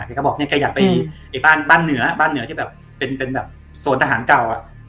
แกก็บอกแกอยากไปบ้านเหนือบ้านเหนือที่เป็นโสนทหารเก่า